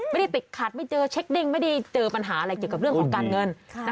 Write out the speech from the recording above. ไม่ได้ติดขัดไม่เจอเช็คดิ้งไม่ได้เจอปัญหาอะไรเกี่ยวกับเรื่องของการเงิน